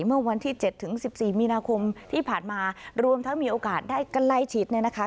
เมื่อวันที่เจ็ดถึงสิบสี่มีนาคมที่ผ่านมารวมทั้งมีโอกาสได้กันไล่ชิดเนี่ยนะคะ